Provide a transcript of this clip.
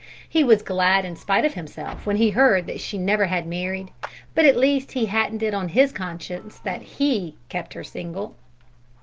He was glad in spite of himself when he heard that she had never married; but at least he hadn't it on his conscience that he had kept her single!